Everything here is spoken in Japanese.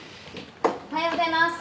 おはようございます。